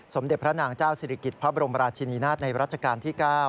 สมเด็จพระนางเจ้าศิริกิจพระบรมราชินีนาฏในรัชกาลที่๙